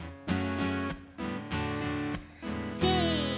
せの。